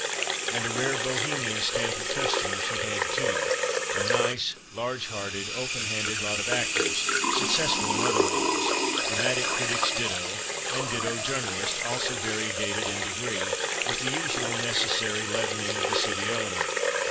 And a rare, Bohemian stamp of customers he had, too a nice, large hearted, open handed lot of actors, successful and otherwise, dramatic critics ditto, and ditto journalists, also variegated in degree; with the usual, necessary, leavening of the "City" element.